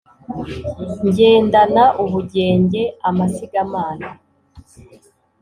ngendana ubugenge amasigamana.